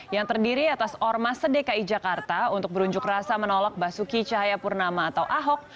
yang terdiri atas ormas sedekai jakarta untuk berunjuk rasa menolak basuki cahayapurnama atau ahok